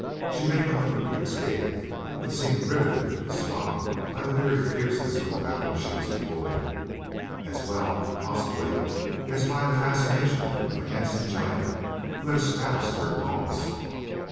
She made no effort to escape, but seemed riveted to the spot by the very fierceness of the battle she was beholding, as well, possibly, as by the fascination of the handsome giant who had espoused her cause.